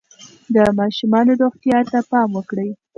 د ماشومانو روغتیا ته پام وکړئ.